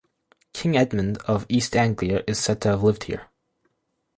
King Edmund of East Anglia is said to have lived here.